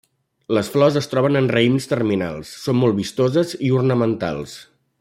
Les flors es troben en raïms terminals, són molt vistoses i ornamentals.